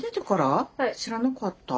知らなかった。